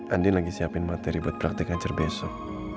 andi lagi siapin materi buat praktek ngajar besok